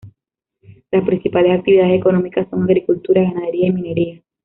Las principales actividades económicas son: agricultura, ganadería y minería.